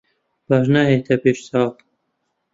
باش ناهێیتە پێش چاو.